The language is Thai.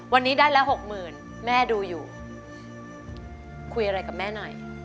วันนี้ได้ละหกหมื่นแม่ดูอยู่คุยอะไรกับแม่หน่อย